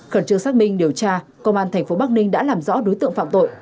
khẩn trương xác minh điều tra công an thành phố bắc ninh đã làm rõ đối tượng phạm tội